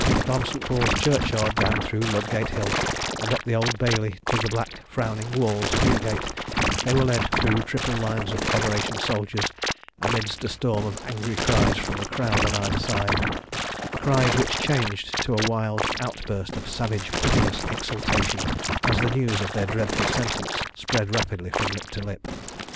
From St. Paul's Churchyard, down through Ludgate Hill and up the Old Bailey to the black frowning walls of Newgate, they were led through triple lines of Federation soldiers amidst a storm of angry cries from the crowd on either side, cries which changed to a wild outburst of savage, pitiless exultation as the news of their dreadful sentence spread rapidly from lip to lip.